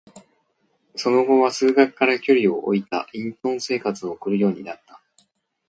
その後は、数学から距離を置いた隠遁生活を送るようになった。